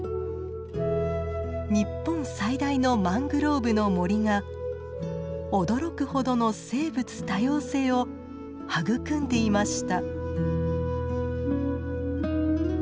日本最大のマングローブの森が驚くほどの生物多様性を育んでいました。